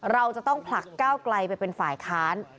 เราจะต้องผลักก้าวไกลไปเป็นฝ่ายค้าน